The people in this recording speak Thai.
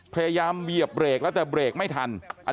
พยายามเหยียบเบรกแล้วแต่เบรกไม่ทัน